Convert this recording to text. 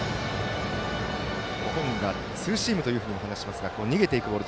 本人がツーシームと話しますが逃げていく球。